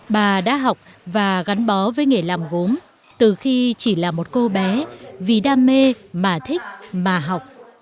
bà đã học và gắn bó với nghề làm gốm từ khi chỉ là một cô bé vì đam mê mà thích mà học